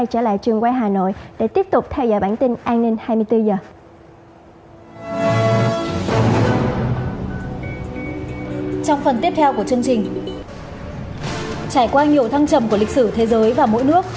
trải phần qua nhiều thăng trầm của lịch sử thế giới và mỗi nước